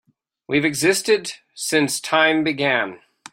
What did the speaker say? We've existed since time began.